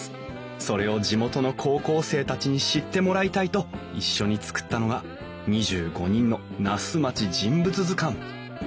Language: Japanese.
それを地元の高校生たちに知ってもらいたいと一緒に作ったのが２５人の「那須まち人物図鑑」。